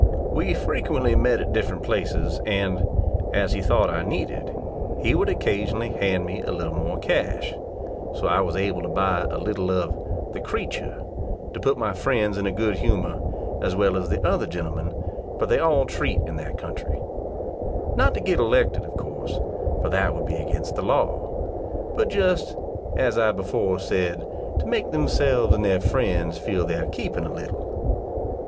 We frequently met at different places, and, as he thought I needed, he would occasionally hand me a little more cash; so I was able to buy a little of "the creature," to put my friends in a good humour, as well as the other gentlemen, for they all treat in that country; not to get elected, of course for that would be against the law; but just, as I before said, to make themselves and their friends feel their keeping a little.